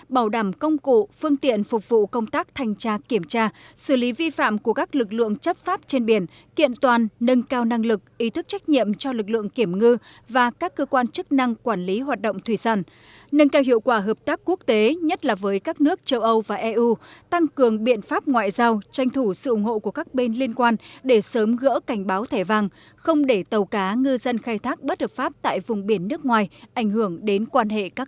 bảo đảm công cụ phương tiện phục vụ công tác thanh tra kiểm tra xử lý vi phạm của các lực lượng chấp pháp trên biển kiện toàn nâng cao năng lực ý thức trách nhiệm cho lực lượng kiểm ngư và các cơ quan chức năng quản lý hoạt động thủy sản nâng cao hiệu quả hợp tác quốc tế nhất là với các nước châu âu và eu tăng cường biện pháp ngoại giao tranh thủ sự ủng hộ của các bên liên quan để sớm gỡ cảnh báo thẻ vàng không để tàu cá ngư dân khai thác bất hợp pháp tại vùng biển nước ngoài ảnh hưởng đến quan hệ các